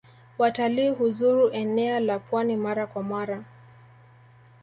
Watali huzuru enea la pwani mara kwa mara.